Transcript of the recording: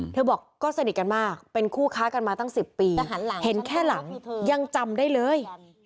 บอกก็สนิทกันมากเป็นคู่ค้ากันมาตั้ง๑๐ปีเห็นแค่หลังยังจำได้เลย